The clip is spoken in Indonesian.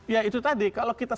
ya itu tadi kalau kita